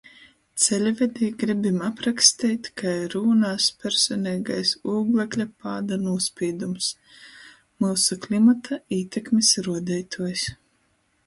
Ceļvedī gribim apraksteit, kai rūnās personeigais ūglekļa pāda nūspīdums – myusu klimata ītekmis ruodeituojs.